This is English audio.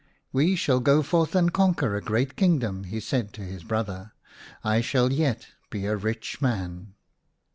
" We shall go forth and conquer a great kingdom," he said to his brother. " I shall yet be a rich man."